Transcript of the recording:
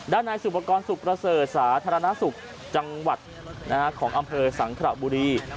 นายสุปกรณ์สุขประเสริฐสาธารณสุขจังหวัดของอำเภอสังขระบุรี